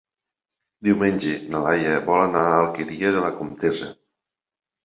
Diumenge na Laia vol anar a l'Alqueria de la Comtessa.